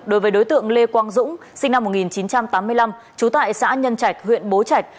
đối với đối tượng lê quang dũng sinh năm một nghìn chín trăm tám mươi năm trú tại xã nhân trạch huyện bố trạch